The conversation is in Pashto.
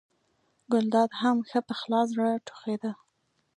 ګلداد هم ښه په خلاص زړه ټوخېده.